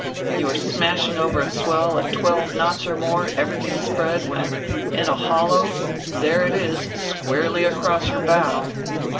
"You are smashing over a swell at twelve knots or more, everything spread, when, in a hollow, there it is squarely across your bow.